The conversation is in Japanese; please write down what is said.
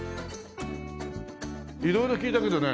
色々聞いたけどね